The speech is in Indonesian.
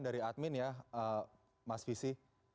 dari admin ya mas visi